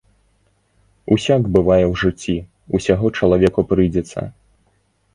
Усяк бывае ў жыцці, усяго чалавеку прыйдзецца.